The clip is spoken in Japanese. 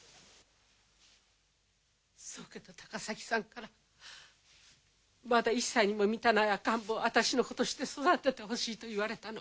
宗家の高崎さんからまだ１歳にも満たない赤ん坊を私の子として育ててほしいと言われたの。